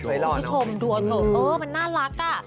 คุณผู้ชมดูเอาเถอะเออมันน่ารักอ่ะ